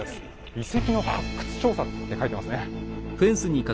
「遺跡の発掘調査」って書いてますね。